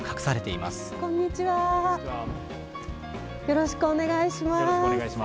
よろしくお願いします。